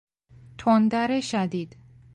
تندر شدید